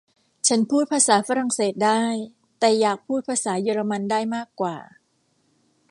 ฉันพูดภาษาฝรั่งเศสได้ แต่อยากพูดภาษาเยอรมันได้มากกว่า